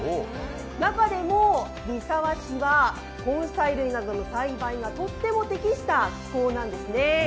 中でも三沢市は根菜類などの栽培にとっても適した気候なんですね。